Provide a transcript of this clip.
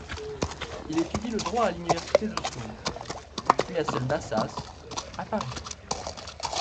Il étudie le droit à l'université de Sceaux, puis à celle d'Assas, à Paris.